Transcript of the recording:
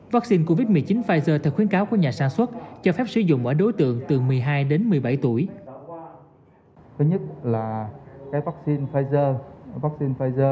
vaccine covid một mươi chín pfizer theo khuyến cáo của nhà sản xuất cho phép sử dụng ở đối tượng từ một mươi hai đến một mươi bảy tuổi